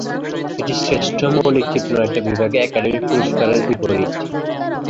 এটি শ্রেষ্ঠ মৌলিক চিত্রনাট্য বিভাগে একাডেমি পুরস্কারের বিপরীত।